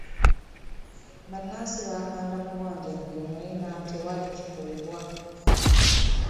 Bannansi baakanda kuwanjagira naye na tewali kikolebwa.